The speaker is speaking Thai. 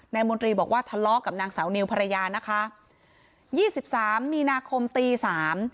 มนตรีบอกว่าทะเลาะกับนางสาวนิวภรรยานะคะยี่สิบสามมีนาคมตีสาม